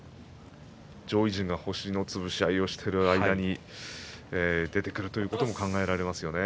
上位陣が星の潰し合いをしている間に出てくるということも考えられますよね。